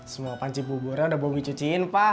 semua panci buburnya udah bapak cuciin pak